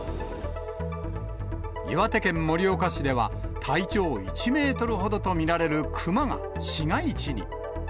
岩手県盛岡市では、体長１メートルほどと見られるクマが市街地に。